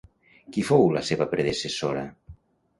Qui fou la seva predecessora?